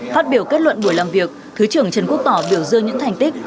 phát biểu kết luận buổi làm việc thứ trưởng trần quốc tỏ biểu dương những thành tích